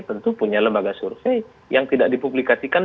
tentu punya lembaga survei yang tidak dipublikasikan